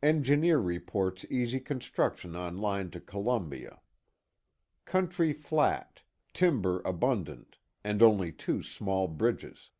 Engineer reports easy construction on line to Columbia. Country flat, timber abundant, and only two small bridges."